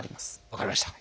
分かりました。